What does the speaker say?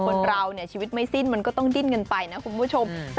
คนเราเนี่ยชีวิตไม่สิ้นมันก็ต้องดิ้นกันไปนะคุณผู้ชม